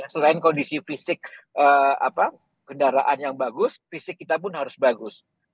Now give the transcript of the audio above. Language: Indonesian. selain kondisi fisik kendaraan yang bagus fisik kita pun harus bagus